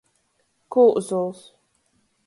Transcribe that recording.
Kūzuls.